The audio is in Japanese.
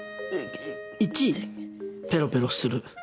１ペロペロする。